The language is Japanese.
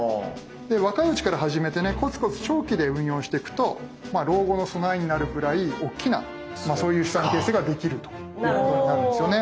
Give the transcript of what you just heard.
で若いうちから始めてねコツコツ長期で運用してくとまあ老後の備えになるくらい大きなそういう資産形成ができるということになるんですよね。